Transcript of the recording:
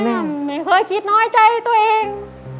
นั่นไม่เคยคิดน้อยใจตัวเอง